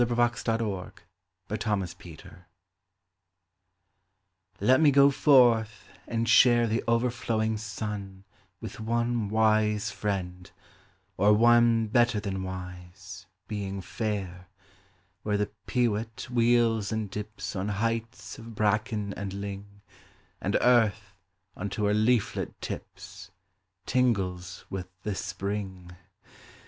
46 ODE IN MAY LET me go forth, and share The overflowing Sun With one wise friend, or one Better than wise, being fair, Where the pewit wheels and dips On heights of bracken and ling, And Earth, unto her leaflet tips, Tingles with the Spring.